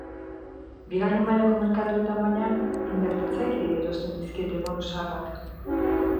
Bigarren mailako merkatuetan, baina, inbertitzaileei erosten dizkiete bonu zaharrak.